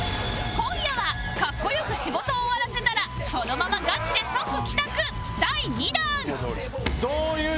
今夜はかっこよく仕事を終わらせたらそのままガチで即帰宅第２弾！